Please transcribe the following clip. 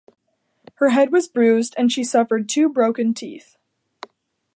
Her head was bruised and she suffered two broken teeth.